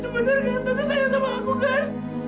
tante itu benar kan tante sayang sama aku kan